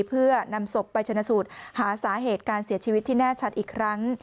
เพื่อนำศพไปชนะสูตรหาสาเหตุการเสียชีวิตที่แน่ชัดอีกครั้ง